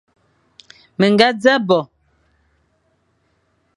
Mé ñga dia bo,